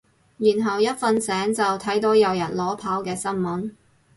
然後一瞓醒就睇到有人裸跑嘅新聞